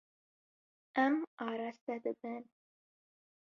Em araste dibin.